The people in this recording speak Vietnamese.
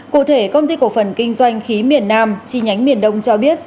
cụ thể công ty cổ phần kinh doanh khí miền nam chi nhánh miền đông cho biết